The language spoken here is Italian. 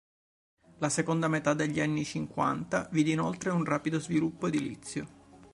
La seconda metà degli anni cinquanta vide inoltre un rapido sviluppo edilizio.